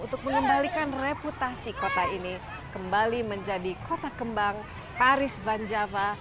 untuk mengembalikan reputasi kota ini kembali menjadi kota kembang paris van java